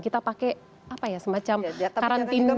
kita pakai semacam karantina